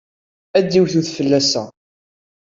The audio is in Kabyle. Ad d-iwet udfel ass-a.